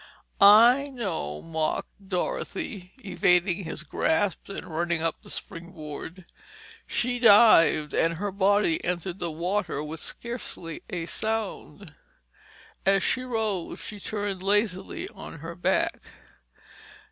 "I know—" mocked Dorothy, evading his grasp and running up the springboard. She dived and her body entered the water with scarcely a sound. As she rose she turned lazily on her back.